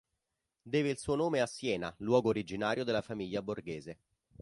Deve il suo nome a Siena, luogo originario della famiglia Borghese.